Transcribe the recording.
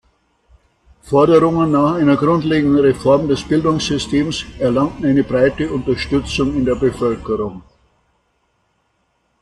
Forderungen nach einer grundlegenden Reform des Bildungssystems erlangten eine breite Unterstützung in der Bevölkerung.